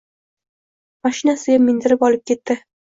Moshinasiga mindirib olib ketdi